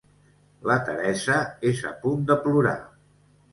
La Teresa és a punt de plorar.